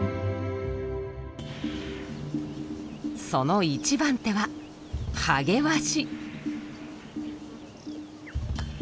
その一番手はハゲワシ。